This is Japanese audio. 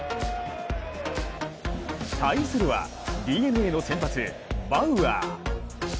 対するはＤｅＮＡの先発・バウアー。